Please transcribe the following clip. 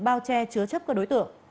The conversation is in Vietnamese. bao che chứa chấp các đối tượng